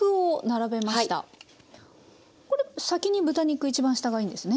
これ先に豚肉一番下がいいんですね。